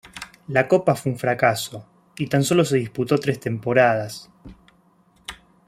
La copa fue un fracaso y tan solo se disputó tres temporadas.